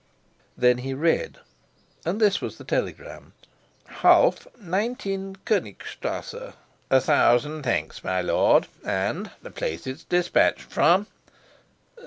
Then he read, and this was the telegram: "Holf, 19 Konigstrasse." "A thousand thanks, my lord. And the place it's despatched from?"